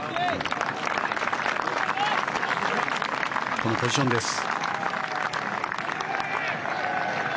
このポジションです。